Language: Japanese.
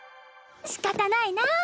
しかたないなぁ。